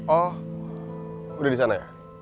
oh udah disana ya